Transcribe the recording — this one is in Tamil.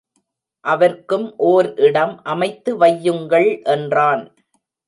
அவர்க்கும் ஒர் இடம் அமைத்து வையுங்கள், என்றான்.